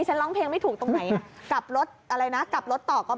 ร้องเพลงไม่ถูกตรงไหนอ่ะกลับรถอะไรนะกลับรถต่อก็